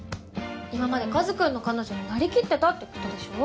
今まで和くんの彼女になりきってたってことでしょ？